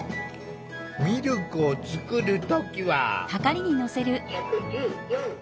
ミルクを作る時は。